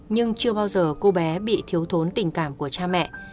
nhưng chưa bao giờ cô bé bị thiếu thốn tình cảm của cha mẹ